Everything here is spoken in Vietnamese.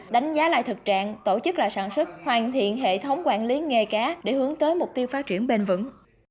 đánh giá lại thực trạng tổ chức lại sản xuất hoàn thiện hệ thống quản lý nghề cá để hướng tới mục tiêu phát triển bền vững